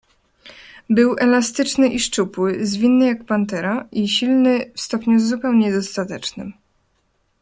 "Był elastyczny i szczupły, zwinny jak pantera, i silny w stopniu zupełnie dostatecznym."